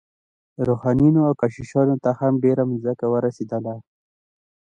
روحانیونو او کشیشانو ته هم ډیره ځمکه ورسیدله.